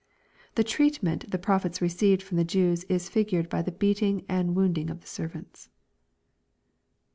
The treatment the prophets received from the Jews is figured by the beating and wounding of the servants.